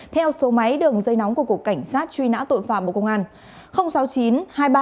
theo số máy đường dây nóng của cục cảnh sát truy nã tội phạm của công an